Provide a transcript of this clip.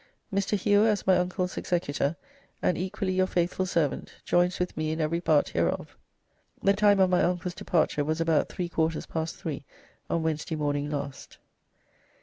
"Mr. Hewer, as my Uncle's Executor, and equally your faithful Servant, joins with me in every part hereof. "The time of my Uncle's departure was about three quarters past three on Wednesday morning last."